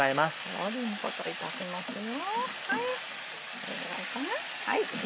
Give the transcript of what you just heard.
これぐらいかな。